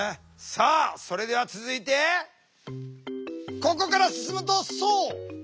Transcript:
さあそれでは続いてここから進むとそう！